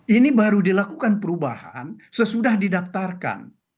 ini baru dilakukan perubahan sesudah didaftarkan